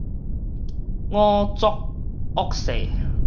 五濁惡世